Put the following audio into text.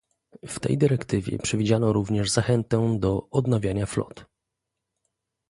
W tej dyrektywie przewidziano również zachętę do odnawiania flot